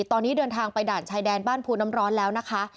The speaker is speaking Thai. ตอนนี้เดินทางไปด่านชายแดนบ้านภูน้ำร้อนแล้วนะคะ